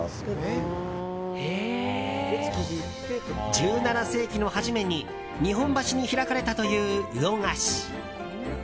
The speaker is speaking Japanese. １７世紀の初めに日本橋に開かれたという魚河岸。